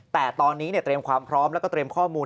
แต่ตอนนี้เตรียมความพร้อมแล้วก็เตรียมข้อมูล